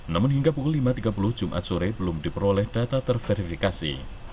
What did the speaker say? namun hingga pukul lima tiga puluh jumat sore belum diperoleh data terverifikasi